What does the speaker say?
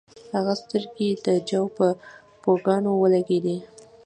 د هغه سترګې د جو په پوکاڼو ولګیدې